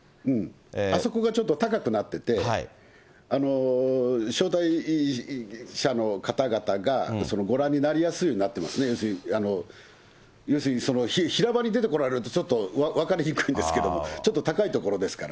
あそこがちょっと高くなってて、招待者の方々がご覧になりやすいようになってますね、要するに平場に出てこられると、ちょっと分かりにくいんですけれども、ちょっと高い所ですから。